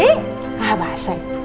eh ah basah